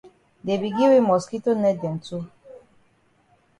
Dey be gi we mosquito net dem too.